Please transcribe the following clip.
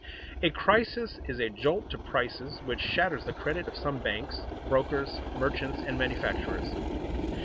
A crisis is a jolt to prices which shatters the credit of some banks, brokers, merchants, and manufacturers.